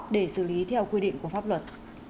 để xử lý theo quy định của pháp luật